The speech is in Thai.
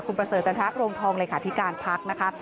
คุณประเสริฐรณฐะโรงทองหลายขาดธิการพักนะคะ